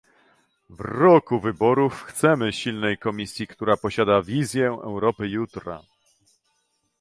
W roku wyborów chcemy silnej Komisji, która posiada wizję Europy jutra!